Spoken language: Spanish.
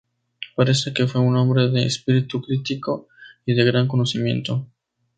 Parece que fue un hombre de espíritu crítico y de gran conocimiento.